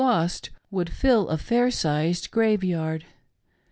29I lost would fill a fair sized graveyard.